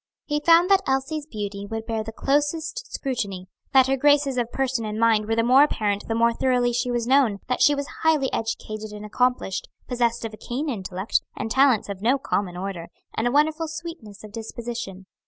He found that Elsie's beauty would bear the closest scrutiny, that her graces of person and mind were the more apparent the more thoroughly she was known; that she was highly educated and accomplished, possessed of a keen intellect, and talents of no common order, and a wonderful sweetness of disposition.